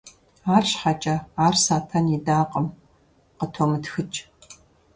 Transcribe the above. Арщхьэкӏэ ар Сатэн идакъым: - Къытомытхыкӏ.